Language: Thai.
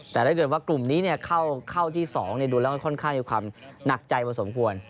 แต่ถ้าเกิดว่ากลุ่มนี้เข้าที่๒ดูแล้วมันค่อนข้างมีความหนักใจพอสมควร